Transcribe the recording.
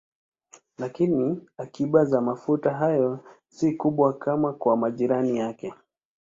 Lakini akiba za mafuta hayo si kubwa kama kwa majirani yake.